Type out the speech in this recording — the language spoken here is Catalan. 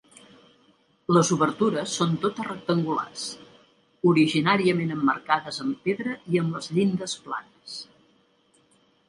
Les obertures són totes rectangulars, originàriament emmarcades en pedra i amb les llindes planes.